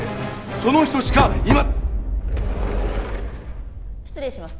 その人しか失礼します